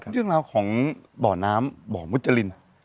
เรื่องราวของบ่อน้ำบ่อมุจริน